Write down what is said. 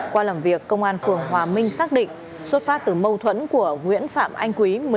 qua làm việc công an phường hòa minh xác định xuất phát từ mâu thuẫn của nguyễn phạm anh quý